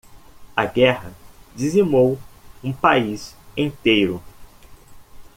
A guerra dizimou um país inteiro